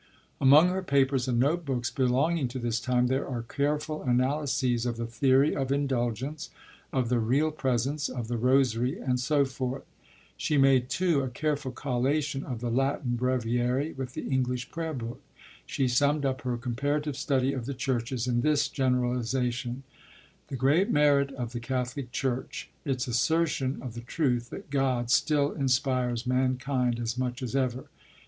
Among her papers and note books belonging to this time, there are careful analyses of the theory of Indulgence, of the Real Presence, of the Rosary, and so forth. She made, too, a careful collation of the Latin Breviary with the English Prayer Book. She summed up her comparative study of the churches in this generalization: "The great merit of the Catholic Church: its assertion of the truth that God still inspires mankind as much as ever.